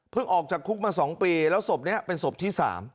ออกจากคุกมา๒ปีแล้วศพนี้เป็นศพที่๓